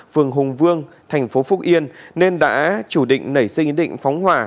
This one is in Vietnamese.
phường hùng vương tp phúc yên nên đã chủ định nảy sinh định phóng hỏa